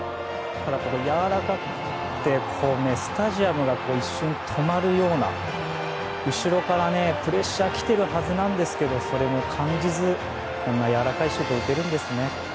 ただ、やわらかくてスタジアムが一瞬止まるような後ろからプレッシャーが来ているはずですがそれも感じず、こんなやわらかいシュートを打てるんですね。